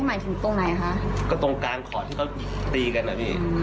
ในตรงกาลอย่างใกล้ต่อหน้า